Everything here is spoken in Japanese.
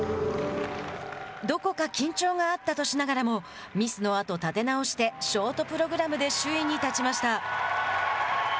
どこか緊張があったとしながらもミスのあと、立て直してショートプログラムで首位に立ちました。